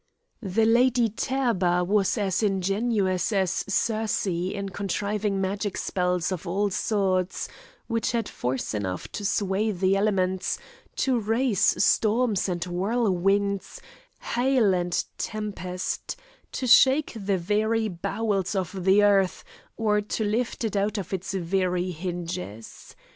The Lady Therba was as ingenious as Circe in contriving magic spells of all sorts, which had force enough to sway the elements, to raise storms and whirlwinds, hail and tempest, to shake the very bowels of the earth, or to lift it out of its very hinges.